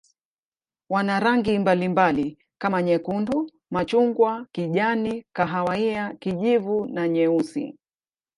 Wana rangi mbalimbali kama nyekundu, machungwa, kijani, kahawia, kijivu na nyeusi.